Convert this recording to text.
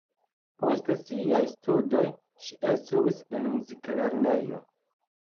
Post siaj studoj ŝi instruis en muziklernejo.